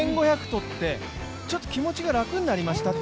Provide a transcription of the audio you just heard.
取って、ちょっと気持ちが楽になりましたと。